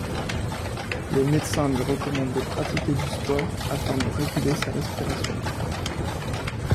Les médecins lui recommandent de pratiquer du sport afin de réguler sa respiration.